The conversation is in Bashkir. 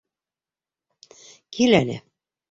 Кил әле!